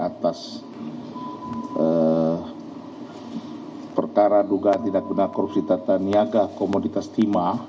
atas perkara dugaan tindak benar korupsi tata niaga komoditas timah